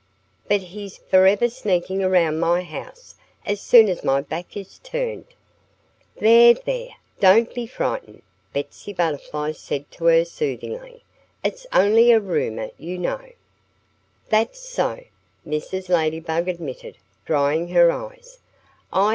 But he's forever sneaking around my house as soon as my back is turned." "There, there! Don't be frightened!" Betsy Butterfly said to her soothingly. "It's only a rumor, you know." "That's so," Mrs. Ladybug admitted, drying her eyes.